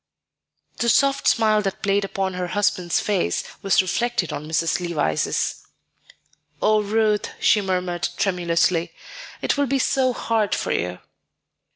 The soft smile that played upon her husband's face was reflected on Mrs. Levice's. "Oh, Ruth," she murmured tremulously, "it will be so hard for you."